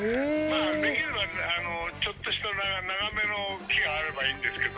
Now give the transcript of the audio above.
できるならちょっとした長めの木があればいいんですけど。